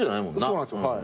そうなんです。